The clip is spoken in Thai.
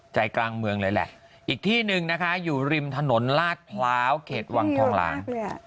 ใจกลางเมืองเลยแหละอีกที่หนึ่งนะคะอยู่ริมถนนลาดพร้าวเขตวังทองหลาง